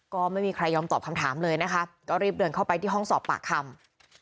ก็ไม่มีใครยอมตอบคำถามเลยนะคะก็รีบเดินเข้าไปที่ห้องสอบปากคำ